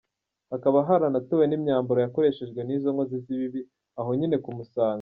Hakaba haratowe n’imyambaro yakoreshejwe n’izo nkozi z’ibibi, aho nyine ku Musaga.